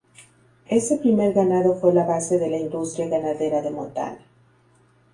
Ese primer ganado fue la base de la industria ganadera de Montana.